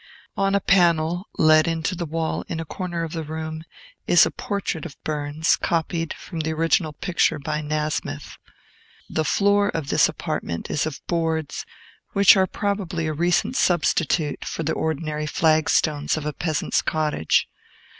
On a panel, let into the wall in a corner of the room, is a portrait of Burns, copied from the original picture by Nasmyth. The floor of this apartment is of boards, which are probably a recent substitute for the ordinary flag stones of a peasant's cottage.